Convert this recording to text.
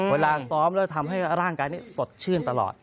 เวลาซ้อมแล้วทำให้ร่างกายนี้สดชื่นตลอด